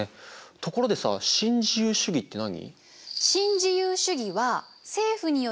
ところでさ新自由主義って何？